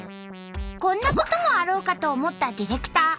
こんなこともあろうかと思ったディレクター。